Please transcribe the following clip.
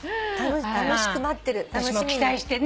楽しく待ってる。